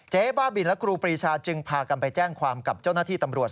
บ้าบินและครูปรีชาจึงพากันไปแจ้งความกับเจ้าหน้าที่ตำรวจ